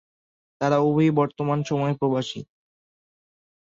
তারা উভয়ই বর্তমান সময়ে প্রবাসী।